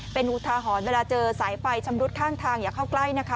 เป็นอุทาหรณ์เวลาเจอสายไฟชำรุดข้างทางอย่าเข้าใกล้นะคะ